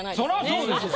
そうですよ。